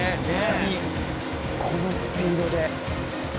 このスピードで。